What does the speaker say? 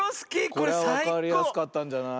これはわかりやすかったんじゃない？